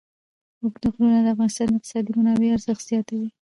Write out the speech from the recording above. اوږده غرونه د افغانستان د اقتصادي منابعو ارزښت زیاتوي.